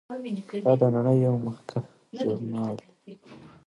دا د نړۍ یو مخکښ ژورنال دی.